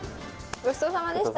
ごちそうさまでした。